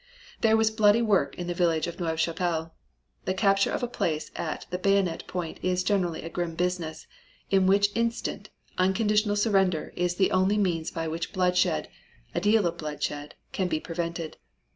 "There was bloody work in the village of Neuve Chapelle. The capture of a place at the bayonet point is generally a grim business, in which instant, unconditional surrender is the only means by which bloodshed, a deal of bloodshed, can be prevented.